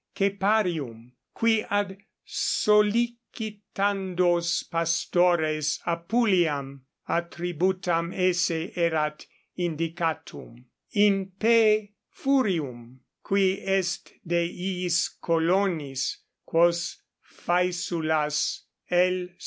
Ceparium, cui ad sollicitandos pastores Apuliam attributam esse erat indicatum, in P. Furium, qui est de iis colonis, quos Faesulas L.